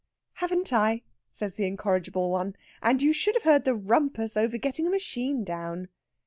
"Haven't I?" says the incorrigible one. "And you should have heard the rumpus over getting a machine down."